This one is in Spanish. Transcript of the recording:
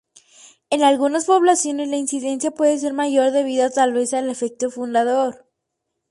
En algunas poblaciones la incidencia puede ser mayor debido tal vez al efecto fundador.